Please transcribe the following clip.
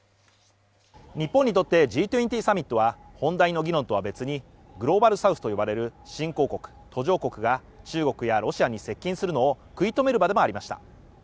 日本にとってＧ２０サミットは本題の議論とは別にグローバルサウスと呼ばれる新興国・途上国が中国やロシアに接近するのを食い止める場でもありました。